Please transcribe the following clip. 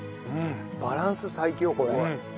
バランス最強これ。